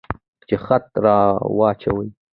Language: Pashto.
چې خط را واچوي.